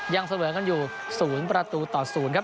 ยังเสวนกันอยู่ศูนย์ประตูต่อศูนย์ครับ